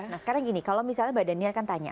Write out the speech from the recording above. nah sekarang gini kalau misalnya mbak daniel kan tanya